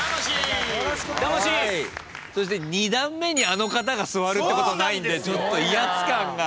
そして２段目にあの方が座るってことないんでちょっと威圧感が。